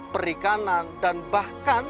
perikanan dan bahkan